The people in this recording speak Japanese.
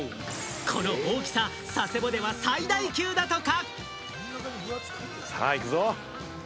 この大きさ、佐世保では最大級だとか。